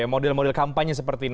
model model kampanye seperti ini